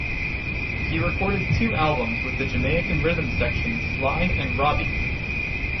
He recorded two albums with the Jamaican rhythm section Sly and Robbie.